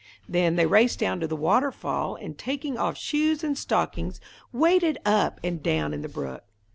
Then they raced down to the waterfall, and, taking off shoes and stockings, waded up and down in the brook.